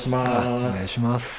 お願いします。